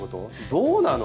どうなの？